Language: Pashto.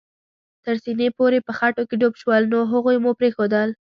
تر سېنې پورې په خټو کې ډوب شول، نو هغوی مو پرېښوول.